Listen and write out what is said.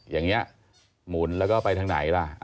อย่างนี้หมุนแล้วก็ไปทางไหนล่ะ